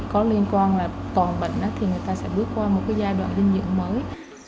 có liên quan là toàn bệnh thì người ta sẽ bước qua một giai đoạn dinh dưỡng mới